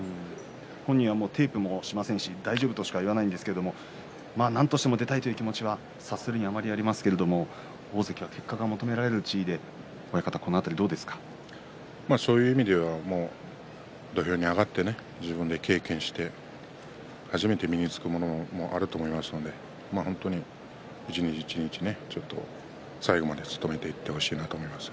本人はテープもしませんし大丈夫としか言わないんですけれどもなんとか出たいという気持ちは察するにあまりありますけれども大関は、結果が求められる地位で土俵に上がって自分で経験して初めて身につくものもあると思いますので一日一日、最後まで努めていってほしいなと思います。